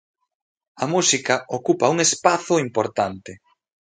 A música ocupa un espazo importante.